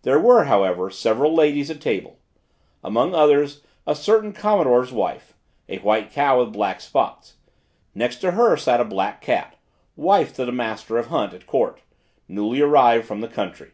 There were, however, several ladies at table; among others, a certain commodore's wife, a white cow with black spots: next to her sat a black cat, wife to the master of hunt at court, newly arrived from the country.